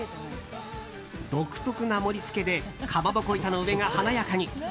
独特な盛り付けでかまぼこ板の上が華やかに。